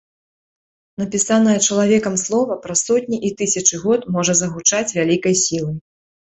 Напісанае чалавекам слова праз сотні і тысячы год можа загучаць вялікай сілай.